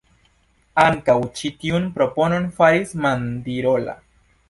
Ankaŭ ĉi tiun proponon faris Mandirola.